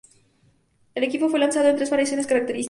El equipo fue lanzado en tres variaciones características.